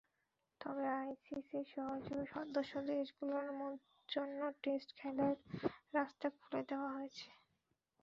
তবে আইসিসির সহযোগী সদস্যদেশগুলোর জন্য টেস্ট খেলার রাস্তা খুলে দেওয়া হয়েছে।